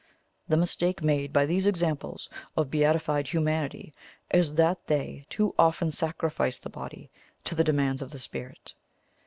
The mistake made by these examples of beatified Humanity is that they too often sacrifice the body to the demands of the spirit.